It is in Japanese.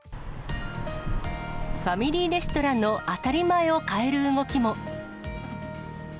ファミリーレストランの当たり前を変える動きも。